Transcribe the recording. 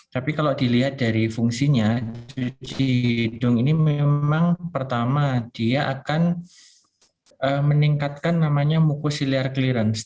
tapi kalau dilihat dari fungsinya hidung ini memang pertama dia akan meningkatkan namanya mukosiliar clearance